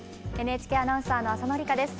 ＮＨＫアナウンサーの浅野里香です。